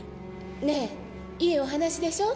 ねえいいお話でしょ？